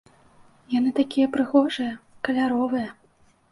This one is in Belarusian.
Яны такія прыгожыя, каляровыя.